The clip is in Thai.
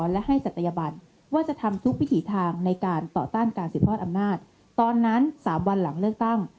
และให้ศัตยบันว่าจะทำทุกวิถีทางในการต่อต้านการสืบทอดอำนาจตอนนั้น๓วันหลังเลือกตั้ง